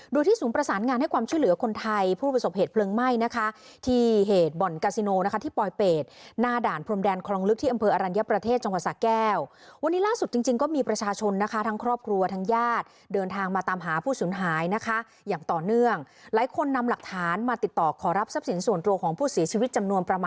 โดยที่ศูนย์ประสานงานให้ความช่วยเหลือคนไทยผู้ประสบเหตุเพลิงไหม้นะคะที่เหตุบ่อนกาซิโนนะคะที่ปลอยเป็ดหน้าด่านพรมแดนคลองลึกที่อำเภออรัญญประเทศจังหวัดสะแก้ววันนี้ล่าสุดจริงจริงก็มีประชาชนนะคะทั้งครอบครัวทั้งญาติเดินทางมาตามหาผู้สูญหายนะคะอย่างต่อเนื่องหลายคนนำหลักฐานมาติดต่อขอรับทรัพย์สินส่วนตัวของผู้เสียชีวิตจำนวนประ